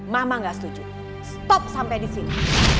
mama gak setuju stop sampai disini